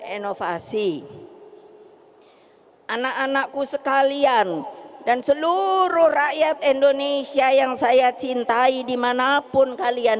inovasi anak anakku sekalian dan seluruh rakyat indonesia yang saya cintai dimanapun kalian